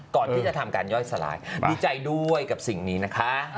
ก่อนที่จะทำการย่อยสลายดีใจด้วยกับสิ่งนี้นะคะ